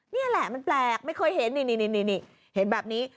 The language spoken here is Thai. นี่แหละมันแปลกไม่เคยเห็นนี่เห็นแบบนี้